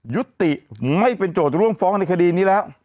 ยุติไม่เป็นโจทย์ร่วมฟ้องในคดีนี้แล้ว